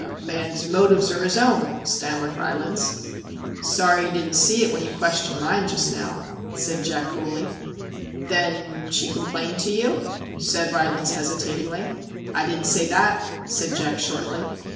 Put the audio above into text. * A man's motives are his own/ stammered Rylands. * Sorry you didn't see it when you questioned mine just now,' said Jack coolly. I Then she complained to you ?' said Rylands hesitatingly. * I didn't say that/ said Jack shortly.